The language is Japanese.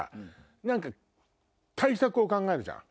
何か対策を考えるじゃん。